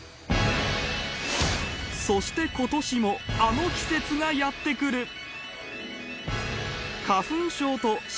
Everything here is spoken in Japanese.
そして、ことしもあの季節がやって来る。